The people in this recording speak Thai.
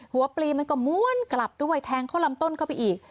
ปลีมันก็ม้วนกลับด้วยแทงเข้าลำต้นเข้าไปอีก